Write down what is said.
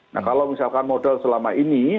nah kalau misalkan modal selama ini